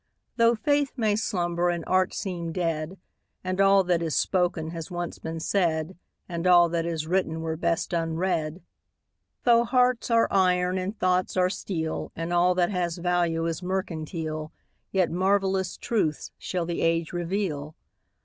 Though faith may slumber and art seem dead, And all that is spoken has once been said, And all that is written were best unread; Though hearts are iron and thoughts are steel, And all that has value is mercantile, Yet marvellous truths shall the age reveal.